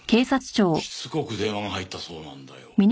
しつこく電話が入ったそうなんだよ。